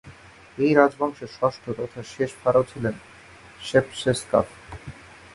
এই রাজবংশের ষষ্ঠ তথা শেষ ফারাও ছিলেন শেপসেসকাফ।